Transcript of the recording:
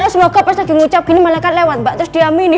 semoga pas lagi ngucap gini malaikat lewat mbak terus diamini